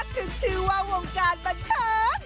คือชื่อว่าห่วงการบรรเทิง